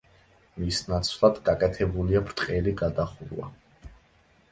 მის ნაცვლად გაკეთებულია ბრტყელი გადახურვა.